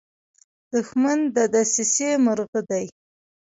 دښمن د دسیسې مرغه دی